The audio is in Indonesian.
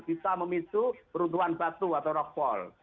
bisa memicu peruntuhan batu atau rockpol